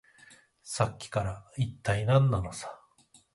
さっきから、いったい何なのさ。